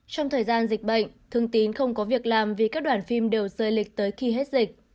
trong thời gian dịch bệnh thường tín không có việc làm vì các đoàn phim đều rơi lịch tới khi hết dịch